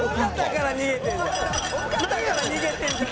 「尾形から逃げてんじゃん。